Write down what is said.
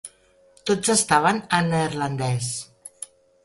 Tots estaven en neerlandès.